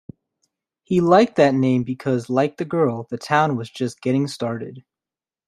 He liked that name because like the girl, the town was just getting started.